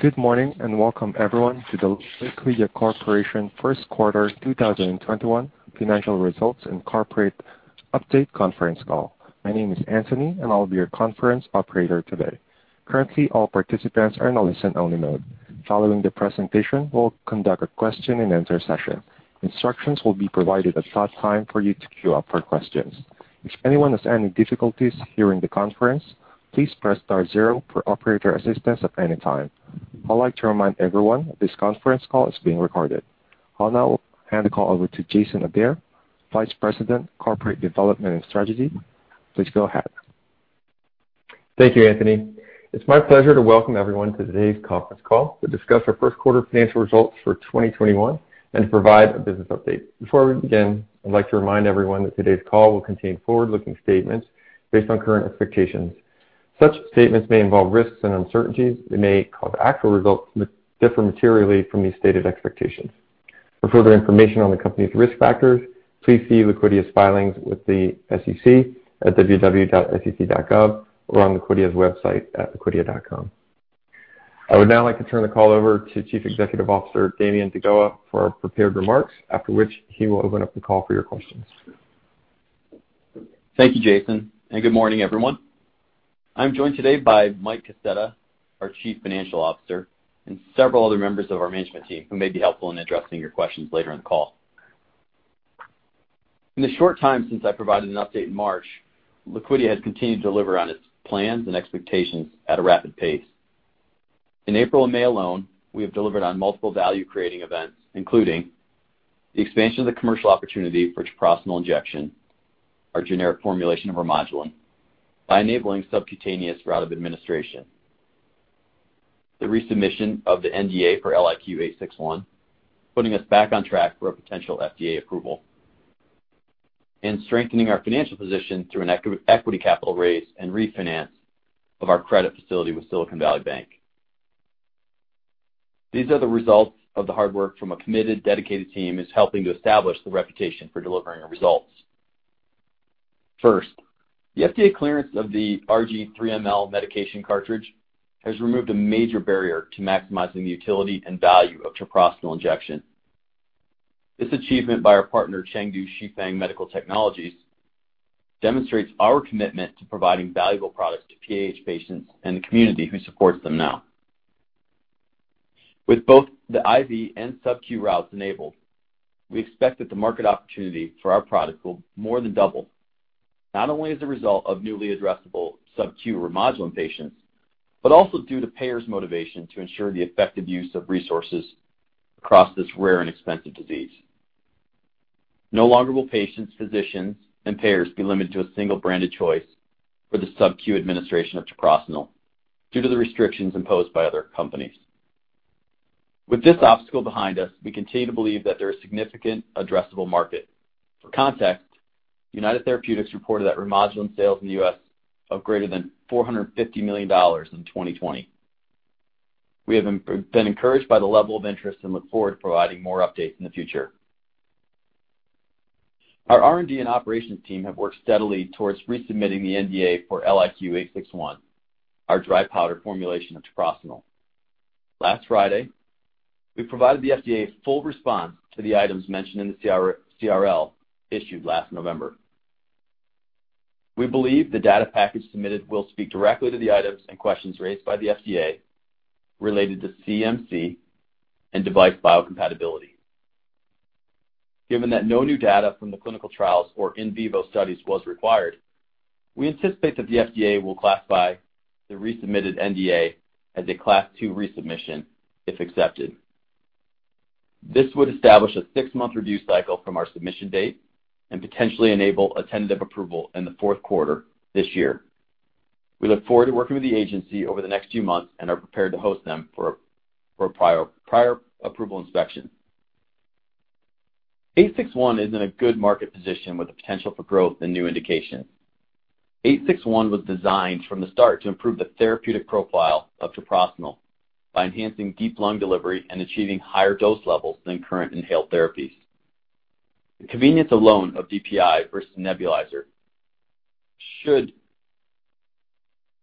Good morning, and welcome everyone to the Liquidia Corporation first quarter 2021 financial results and corporate update conference call. My name is Anthony, and I'll be your conference operator today. Currently, all participants are in a listen-only mode. Following the presentation, we'll conduct a question and answer session. Instructions will be provided at that time for you to queue up for questions. If anyone has any difficulties hearing the conference, please press star zero for operator assistance at any time. I'd like to remind everyone this conference call is being recorded. I'll now hand the call over to Jason Adair, Vice President, Corporate Development and Strategy. Please go ahead. Thank you, Anthony. It's my pleasure to welcome everyone to today's conference call to discuss our first quarter financial results for 2021 and to provide a business update. Before we begin, I'd like to remind everyone that today's call will contain forward-looking statements based on current expectations. Such statements may involve risks and uncertainties that may cause actual results to differ materially from these stated expectations. For further information on the company's risk factors, please see Liquidia's filings with the SEC at www.sec.gov or on Liquidia's website at liquidia.com. I would now like to turn the call over to Chief Executive Officer, Damian deGoa, for prepared remarks, after which he will open up the call for your questions. Thank you, Jason, and good morning, everyone. I'm joined today by Michael Kaseta, our Chief Financial Officer, and several other members of our management team who may be helpful in addressing your questions later in the call. In the short time since I provided an update in March, Liquidia has continued to deliver on its plans and expectations at a rapid pace. In April and May alone, we have delivered on multiple value-creating events, including the expansion of the commercial opportunity for Treprostinil Injection, our generic formulation of Remodulin, by enabling subcutaneous route of administration, the resubmission of the NDA for LIQ861, putting us back on track for a potential FDA approval, and strengthening our financial position through an equity capital raise and refinance of our credit facility with Silicon Valley Bank. These are the results of the hard work from a committed, dedicated team that's helping to establish the reputation for delivering our results. First, the FDA clearance of the RG 3ml Medication Cartridge has removed a major barrier to maximizing the utility and value of Treprostinil Injection. This achievement by our partner, Chengdu Xipeng Medical Technologies, demonstrates our commitment to providing valuable products to PAH patients and the community who supports them now. With both the IV and SubQ routes enabled, we expect that the market opportunity for our product will more than double, not only as a result of newly addressable SubQ Remodulin patients, but also due to payers' motivation to ensure the effective use of resources across this rare and expensive disease. No longer will patients, physicians, and payers be limited to a single branded choice for the SubQ administration of treprostinil due to the restrictions imposed by other companies. With this obstacle behind us, we continue to believe that there is significant addressable market. For context, United Therapeutics reported that Remodulin sales in the U.S. of greater than $450 million in 2020. We have been encouraged by the level of interest and look forward to providing more updates in the future. Our R&D and operations team have worked steadily towards resubmitting the NDA for LIQ861, our dry powder formulation of treprostinil. Last Friday, we provided the FDA a full response to the items mentioned in the CRL issued last November. We believe the data package submitted will speak directly to the items and questions raised by the FDA related to CMC and device biocompatibility. Given that no new data from the clinical trials or in vivo studies was required, we anticipate that the FDA will classify the resubmitted NDA as a Class 2 resubmission if accepted. This would establish a six-month review cycle from our submission date and potentially enable a tentative approval in the fourth quarter this year. We look forward to working with the agency over the next few months and are prepared to host them for a prior approval inspection. LIQ861 is in a good market position with the potential for growth in new indications. LIQ861 was designed from the start to improve the therapeutic profile of treprostinil by enhancing deep lung delivery and achieving higher dose levels than current inhaled therapies. The convenience alone of DPI versus nebulizer should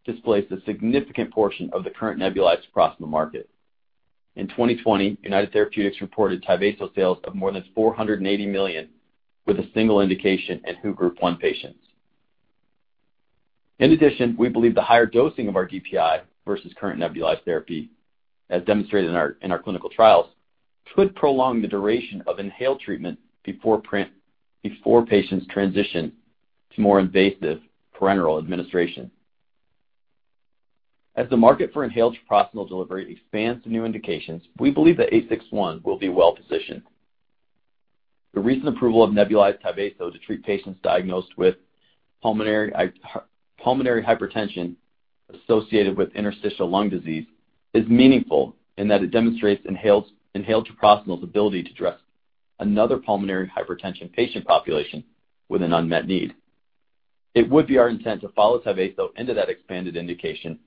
displace a significant portion of the current nebulized treprostinil market. In 2020, United Therapeutics reported Tyvaso sales of more than $480 million with a single indication in WHO Group 1 patients. In addition, we believe the higher dosing of our DPI versus current nebulized therapy, as demonstrated in our clinical trials, could prolong the duration of inhaled treatment before patients transition to more invasive parenteral administration. As the market for inhaled treprostinil delivery expands to new indications, we believe that LIQ861 will be well-positioned. The recent approval of nebulized Tyvaso to treat patients diagnosed with pulmonary hypertension associated with interstitial lung disease is meaningful in that it demonstrates inhaled treprostinil's ability to address another pulmonary hypertension patient population with an unmet need. It would be our intent to follow Tyvaso into that expanded indication.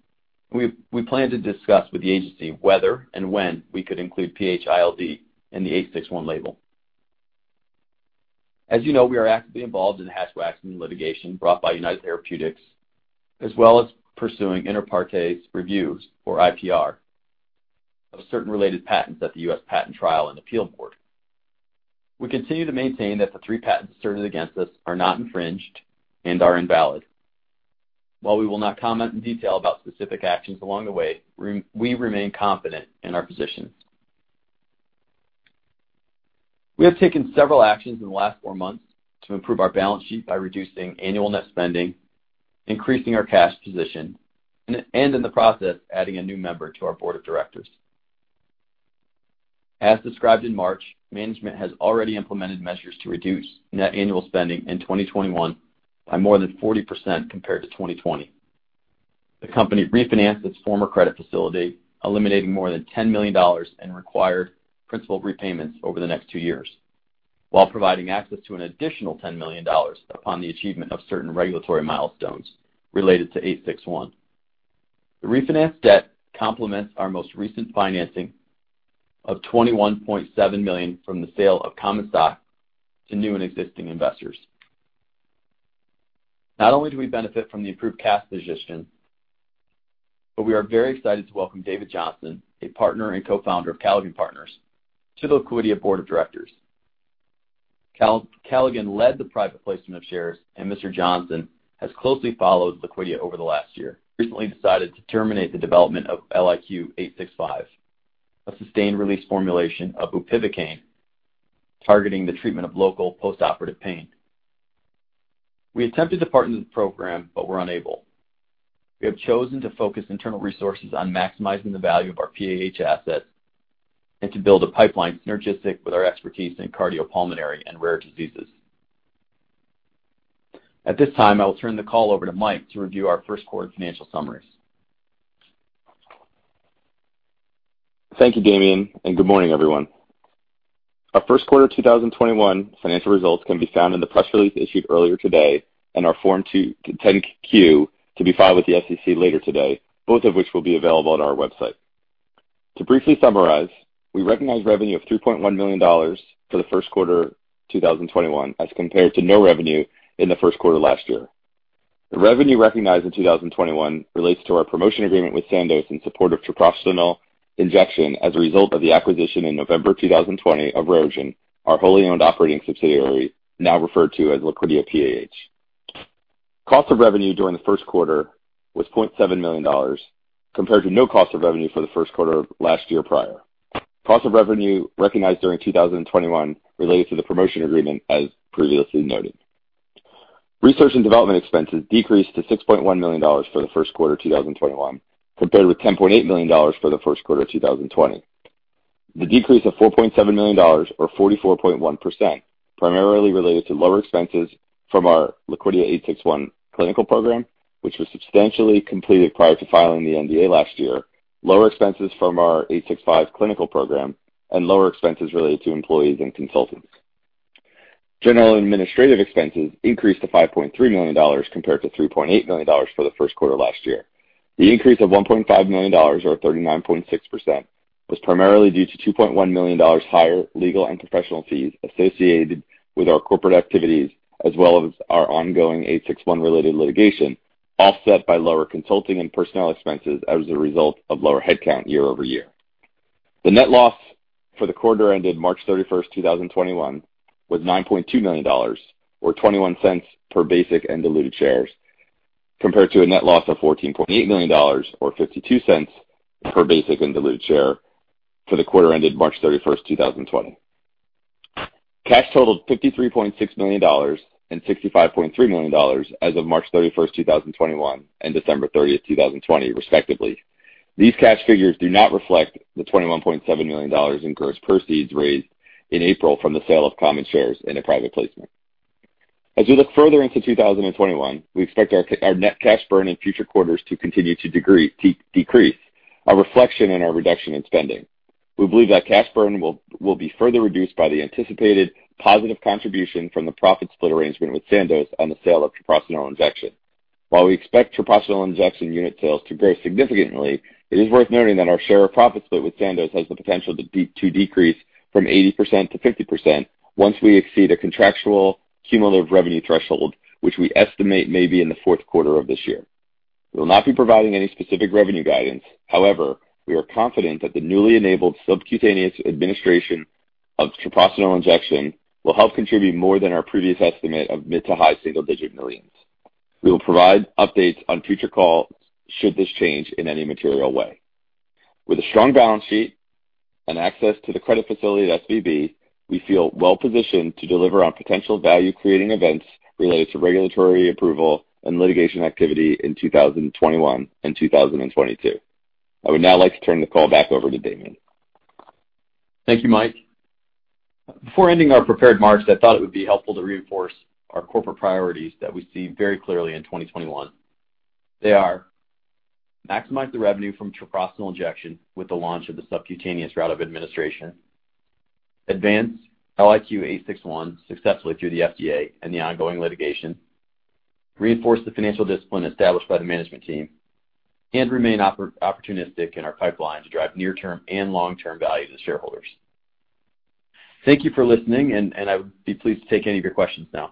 We plan to discuss with the agency whether and when we could include PH-ILD in the 861 label. As you know, we are actively involved in the Hatch-Waxman litigation brought by United Therapeutics, as well as pursuing Inter partes reviews, or IPR, of certain related patents at the Patent Trial and Appeal Board. We continue to maintain that the three patents asserted against us are not infringed and are invalid. While we will not comment in detail about specific actions along the way, we remain confident in our positions. We have taken several actions in the last four months to improve our balance sheet by reducing annual net spending, increasing our cash position, and in the process, adding a new member to our board of directors. As described in March, management has already implemented measures to reduce net annual spending in 2021 by more than 40% compared to 2020. The company refinanced its former credit facility, eliminating more than $10 million in required principal repayments over the next two years while providing access to an additional $10 million upon the achievement of certain regulatory milestones related to LIQ861. The refinanced debt complements our most recent financing of $21.7 million from the sale of common stock to new and existing investors. Not only do we benefit from the improved cash position, but we are very excited to welcome David Johnson, a partner and co-founder of Caligan Partners, to the Liquidia board of directors. Calighan led the private placement of shares, and Mr. Johnson has closely followed Liquidia over the last year. The company recently decided to terminate the development of LIQ865, a sustained release formulation of bupivacaine targeting the treatment of local postoperative pain. We attempted to partner the program but were unable. We have chosen to focus internal resources on maximizing the value of our PAH assets and to build a pipeline synergistic with our expertise in cardiopulmonary and rare diseases. At this time, I will turn the call over to Mike to review our first quarter financial summaries. Thank you, Damian, good morning, everyone. Our first quarter 2021 financial results can be found in the press release issued earlier today and our Form 10-Q to be filed with the SEC later today, both of which will be available on our website. To briefly summarize, we recognized revenue of $3.1 million for the first quarter 2021 as compared to no revenue in the first quarter last year. The revenue recognized in 2021 relates to our promotion agreement with Sandoz in support of Treprostinil Injection as a result of the acquisition in November 2020 of RareGen, LLC, our wholly owned operating subsidiary, now referred to as Liquidia PAH. Cost of revenue during the first quarter was $700,000, compared to no cost of revenue for the first quarter last year prior. Cost of revenue recognized during 2021 related to the promotion agreement, as previously noted. Research and development expenses decreased to $6.1 million for the first quarter 2021, compared with $10.8 million for the first quarter 2020. The decrease of $4.7 million or 44.1%, primarily related to lower expenses from our Liquidia 861 clinical program, which was substantially completed prior to filing the NDA last year, lower expenses from our 865 clinical program, and lower expenses related to employees and consultants. General administrative expenses increased to $5.3 million compared to $3.8 million for the first quarter last year. The increase of $1.5 million or 39.6% was primarily due to $2.1 million higher legal and professional fees associated with our corporate activities as well as our ongoing LIQ861-related litigation, offset by lower consulting and personnel expenses as a result of lower headcount year-over-year. The net loss for the quarter ended March 31st, 2021 was $9.2 million or $0.21 per basic and diluted shares, compared to a net loss of $14.8 million or $0.52 per basic and diluted share for the quarter ended March 31st, 2020. Cash totaled $53.6 million and $65.3 million as of March 31st, 2021 and December 30th, 2020 respectively. These cash figures do not reflect the $21.7 million in gross proceeds raised in April from the sale of common shares in a private placement. As we look further into 2021, we expect our net cash burn in future quarters to continue to decrease, a reflection in our reduction in spending. We believe that cash burn will be further reduced by the anticipated positive contribution from the profit split arrangement with Sandoz on the sale of Treprostinil Injection. While we expect treprostinil injection unit sales to grow significantly, it is worth noting that our share of profit split with Sandoz has the potential to decrease from 80% to 50% once we exceed a contractual cumulative revenue threshold, which we estimate may be in the fourth quarter of this year. We will not be providing any specific revenue guidance. However, we are confident that the newly enabled subcutaneous administration of treprostinil injection will help contribute more than our previous estimate of mid to high single-digit millions. We will provide updates on future calls should this change in any material way. With a strong balance sheet and access to the credit facility at SVB, we feel well-positioned to deliver on potential value-creating events related to regulatory approval and litigation activity in 2021 and 2022. I would now like to turn the call back over to Damian deGoa. Thank you, Mike. Before ending our prepared remarks, I thought it would be helpful to reinforce our corporate priorities that we see very clearly in 2021. They are maximize the revenue from Treprostinil Injection with the launch of the subcutaneous route of administration, advance LIQ861 successfully through the FDA and the ongoing litigation, reinforce the financial discipline established by the management team, and remain opportunistic in our pipeline to drive near-term and long-term value to the shareholders. Thank you for listening. I would be pleased to take any of your questions now.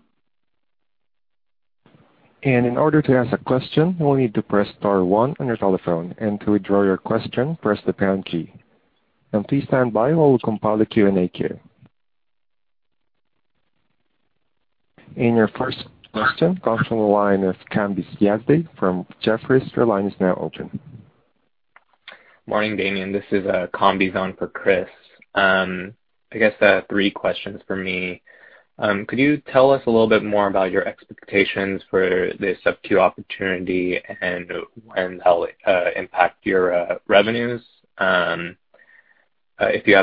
In order to ask a question, you will need to press star one on your telephone, and to withdraw your question, press the pound key. Please stand by while we compile the Q&A queue. Your first question comes from the line of Kambiz Yazdi from Jefferies. Your line is now open. Morning, Damian. This is Kambiz on for Chris. I guess three questions from me. Could you tell us a little bit more about your expectations for this subQ opportunity and when that'll impact your revenues? Second question, if you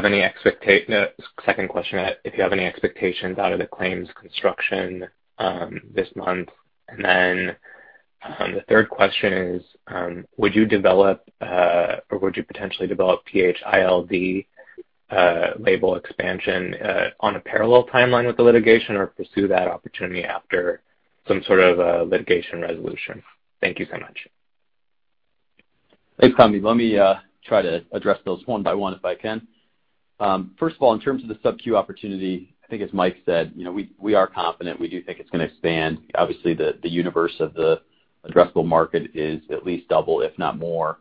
have any expectations out of the claims construction this month. The third question is, would you develop or would you potentially develop PH-ILD label expansion on a parallel timeline with the litigation or pursue that opportunity after some sort of litigation resolution? Thank you so much. Thanks, Kambiz. Let me try to address those one by one if I can. First of all, in terms of the SubQ opportunity, I think as Mike said, we are confident. We do think it's going to expand. Obviously, the universe of the addressable market is at least double, if not more.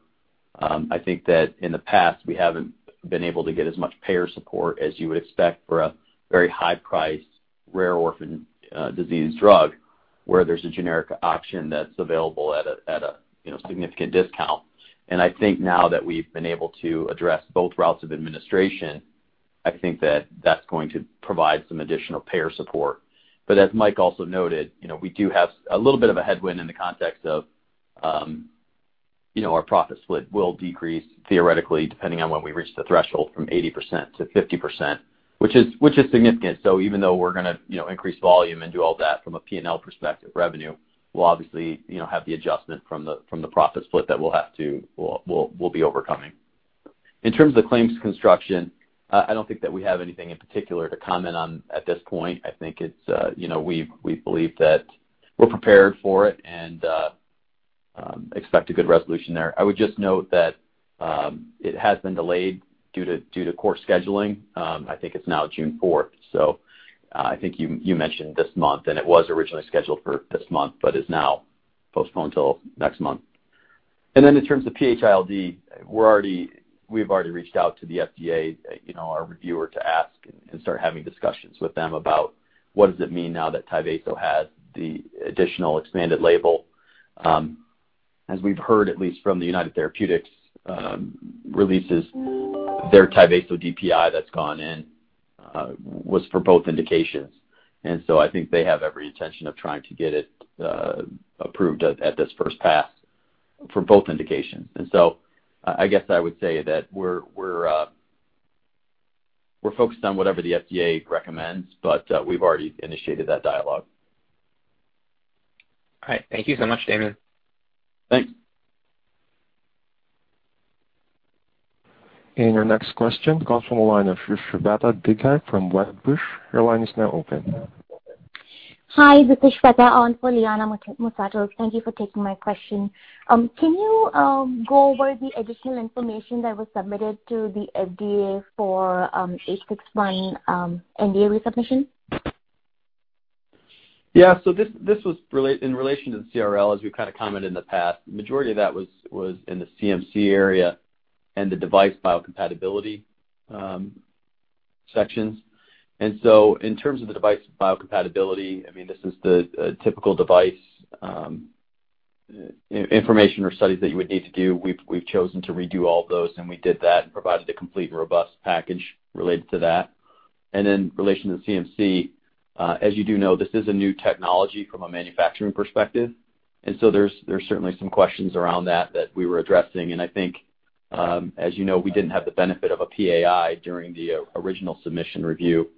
I think that in the past, we haven't been able to get as much payer support as you would expect for a very high-priced, rare orphan disease drug, where there's a generic option that's available at a significant discount. I think now that we've been able to address both routes of administration, I think that that's going to provide some additional payer support. As Mike also noted, we do have a little bit of a headwind in the context of our profit split will decrease theoretically, depending on when we reach the threshold from 80% to 50%, which is significant. Even though we're going to increase volume and do all that from a P&L perspective revenue, we'll obviously have the adjustment from the profit split that we'll be overcoming. In terms of claims construction, I don't think that we have anything in particular to comment on at this point. I think we believe that we're prepared for it and expect a good resolution there. I would just note that it has been delayed due to court scheduling. I think it's now June 4th, so I think you mentioned this month, and it was originally scheduled for this month, but is now postponed till next month. In terms of PH-ILD, we've already reached out to the FDA, our reviewer, to ask and start having discussions with them about what does it mean now that Tyvaso has the additional expanded label. We've heard, at least from the United Therapeutics releases, their Tyvaso DPI that's gone in was for both indications. I think they have every intention of trying to get it approved at this first pass for both indications. I guess I would say that we're focused on whatever the FDA recommends, but we've already initiated that dialogue. All right. Thank you so much, Damian. Thanks. Your next question comes from the line of Shweta Khajuria from Wedbush. Your line is now open. Hi, this is Shweta on for Liana Moussatos. Thank you for taking my question. Can you go over the additional information that was submitted to the FDA for LIQ861 NDA resubmission? This was in relation to the CRL, as we've kind of commented in the past. Majority of that was in the CMC area and the device biocompatibility sections. In terms of the device biocompatibility, this is the typical device information or studies that you would need to do. We've chosen to redo all of those, and we did that and provided a complete and robust package related to that. In relation to the CMC, as you do know, this is a new technology from a manufacturing perspective, and so there's certainly some questions around that that we were addressing. I think as you know, we didn't have the benefit of a PAI during the original submission review,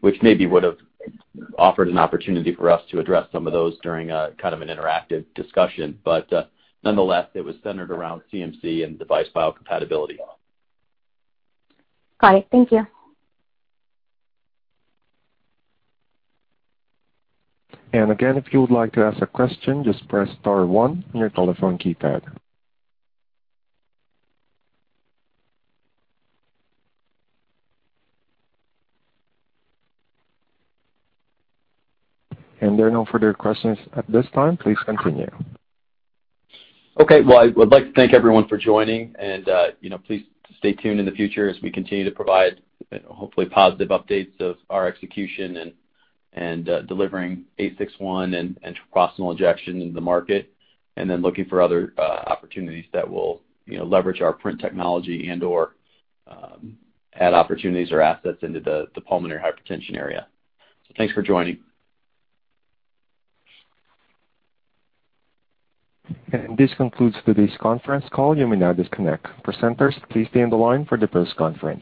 which maybe would have offered an opportunity for us to address some of those during a kind of an interactive discussion. Nonetheless, it was centered around CMC and device biocompatibility. Got it. Thank you. Again, if you would like to ask a question, just press star one on your telephone keypad. There are no further questions at this time. Please continue. Well, I would like to thank everyone for joining, please stay tuned in the future as we continue to provide hopefully positive updates of our execution and delivering LIQ861 and treprostinil injection into the market, then looking for other opportunities that will leverage our PRINT technology and/or add opportunities or assets into the pulmonary hypertension area. Thanks for joining. This concludes today's conference call. You may now disconnect. Presenters, please stay on the line for the post-conference.